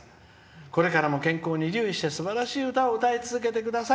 これからも健康に留意してすばらしい歌を歌い続けてください」。